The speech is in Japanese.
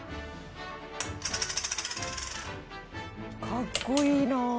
かっこいいなあ。